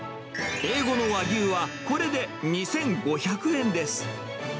Ａ５の和牛は、これで２５００円です。